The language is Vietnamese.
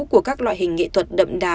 của các loại hình nghệ thuật đậm đà